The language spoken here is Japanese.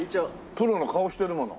プロの顔してるもの。